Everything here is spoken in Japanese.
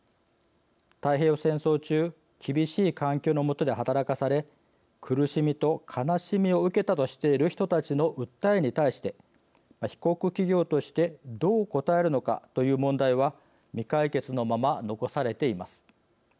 太平洋戦争中、厳しい環境の下で働かされ、苦しみと悲しみを受けたとしている人たちの訴えに対して、被告企業としてどう応えるのかという問題は未解決のまま残されています。